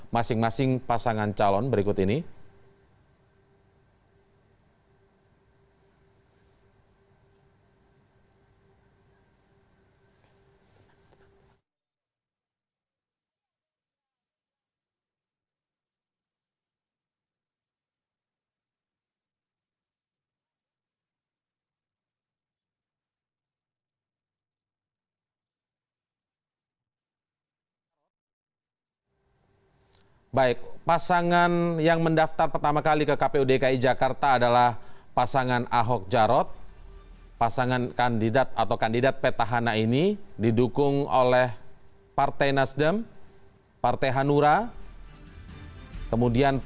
masing masing pasangan calon berikut ini